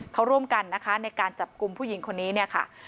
เขาร่วมกันนะคะในการจับกลุ่มผู้หญิงคนนี้เนี่ยค่ะ